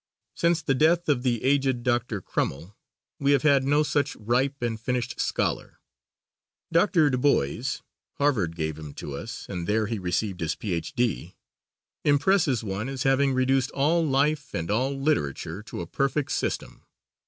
Since the death of the aged Dr. Crummell, we have had no such ripe and finished scholar. Dr. DuBois, Harvard gave him to us, and there he received his Ph.D., impresses one as having reduced all life and all literature to a perfect system.